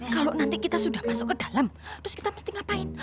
kalau nanti kita sudah masuk ke dalam terus kita mesti ngapain